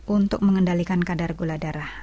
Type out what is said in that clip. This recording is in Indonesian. untuk mengendalikan kadar gula darah